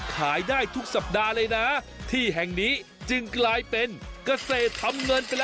ขายได้ทุกสัปดาห์เลยนะ